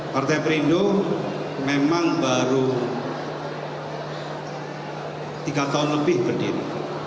partai perindo memang baru tiga tahun lebih berdiri